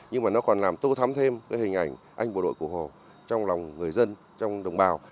nhưng mà nó còn làm tô thắm thêm cái hình ảnh anh bộ đội cụ hồ trong lòng người dân trong đồng bào